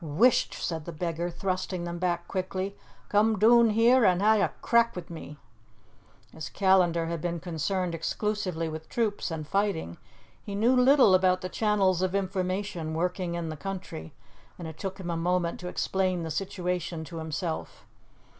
"Whisht," said the beggar, thrusting them back quickly, "come doon here an' hae a crack wi' me." As Callandar had been concerned exclusively with troops and fighting, he knew little about the channels of information working in the country, and it took him a moment to explain the situation to himself.